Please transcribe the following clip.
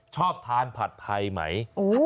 ชอบทานผัดไทยไหม